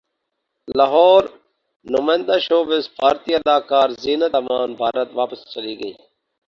لاہورنمائندہ showbiz بھارتی اداکارہ زینت امان بھارت واپس چلی گئیں